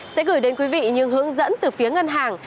sẽ gửi đến quý vị những hướng dẫn từ phía ngân hàng